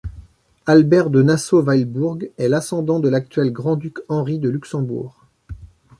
Albert de Nassau-Weilbourg est l'ascendant de l'actuel grand-duc Henri de Luxembourg.